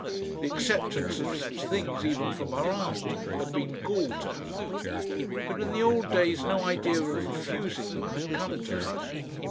The acceptance of such things, even from her aunt, had been gall to her; but, in the old days, no idea of refusing them had come to her.